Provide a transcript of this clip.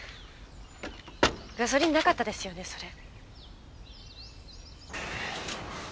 ガソリンなかったですよねそれ。